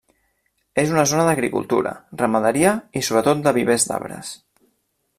És una zona d'agricultura, ramaderia i sobretot de vivers d'arbres.